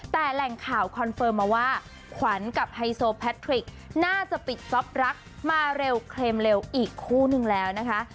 แต่แหล่งข่าวคอนเฟิร์มมาว่าขวัญกับไฮโซแพทริกน่าจะปิดจ๊อปรักมาเร็วเคลมเร็วอีกคู่นึงแล้วนะคะ